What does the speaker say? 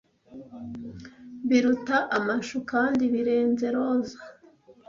biruta amashu kandi birenze roza